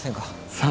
・さあ。